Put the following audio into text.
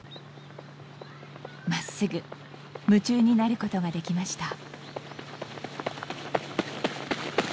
真っすぐ夢中になることができました。